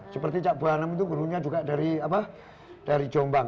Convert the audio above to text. seperti cak buahnam itu rumahnya juga dari jombang